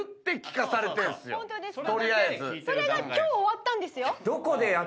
それが今日終わったんですよ。